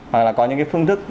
hoặc là có những cái phương thức